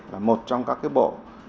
là một trong các cấp bộ